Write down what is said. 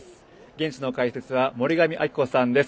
現地の解説は森上亜希子さんです。